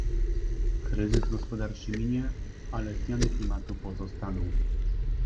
Kryzys gospodarczy minie, ale zmiany klimatu pozostaną